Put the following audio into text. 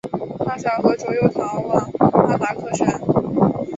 大小和卓又逃往巴达克山。